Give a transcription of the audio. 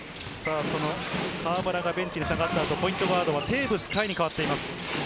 河村がベンチに下がった後、ポイントガードはテーブス海に代わっています。